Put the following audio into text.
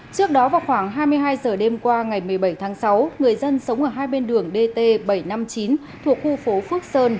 trước đó vào khoảng hai mươi hai giờ đêm qua ngày một mươi bảy tháng sáu người dân sống ở hai bên đường dt bảy trăm năm mươi chín thuộc khu phố phước sơn